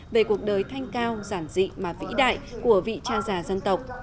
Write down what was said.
về cuộc đời thanh cao giản dị mà vĩ đại của vị cha già dân tộc